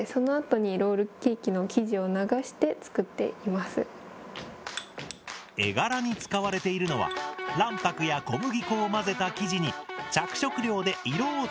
でも絵柄に使われているのは卵白や小麦粉を混ぜた生地に着色料で色をつけたもの。